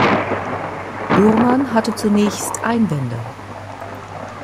Burman hatte zunächst Einwände.